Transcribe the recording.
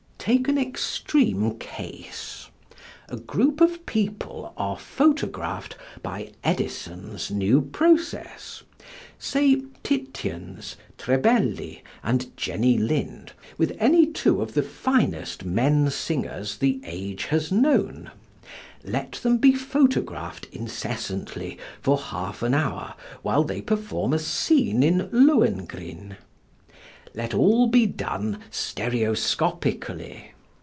Take an extreme case. A group of people are photographed by Edison's new process say Titiens, Trebelli, and Jenny Lind, with any two of the finest men singers the age has known let them be photographed incessantly for half an hour while they perform a scene in "Lohengrin"; let all be done stereoscopically.